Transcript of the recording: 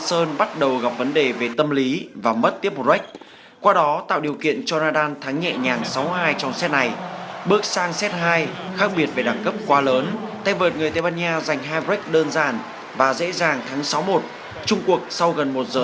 xin chào và hẹn gặp lại trong các video tiếp theo